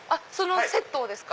セットをですか？